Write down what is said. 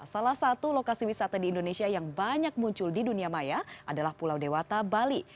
salah satu lokasi wisata di indonesia yang banyak muncul di dunia maya adalah pulau dewata bali